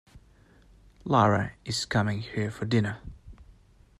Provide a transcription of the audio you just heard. Lara is coming here for dinner.